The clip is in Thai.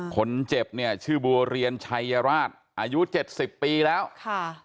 คนเจ็บเนี่ยชื่อบัวเรียนชัยราชอายุเจ็ดสิบปีแล้วค่ะ